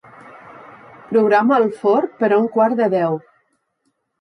Programa el forn per a un quart de deu.